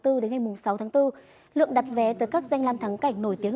tới ngày sáu tháng bốn lượng đặt vé từ các danh lam thắng cảnh nổi tiếng